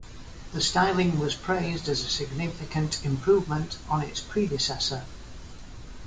The styling was praised as a significant improvement on its predecessor.